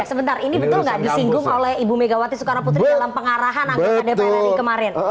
sebentar ini betul nggak disinggung oleh ibu megawati soekarnoputri dalam pengarahan anggota dprn ini kemarin